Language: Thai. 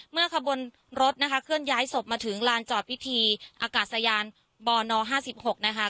ขบวนรถนะคะเคลื่อนย้ายศพมาถึงลานจอดพิธีอากาศยานบน๕๖นะคะ